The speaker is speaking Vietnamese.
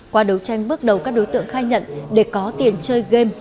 qua đấu tranh bước đầu các đối tượng khai nhận để có tiền chơi game